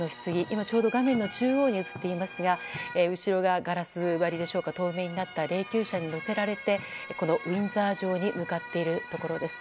今ちょうど画面の中央に映っていますが後ろ側、ガラス張りでしょうか透明になった霊柩車に乗せられてウィンザー城に向かっているところです。